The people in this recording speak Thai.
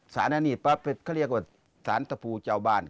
ศาลอันนี้ป๊ะเขาเรียกว่าศาลทะพูเจ้าบ้าน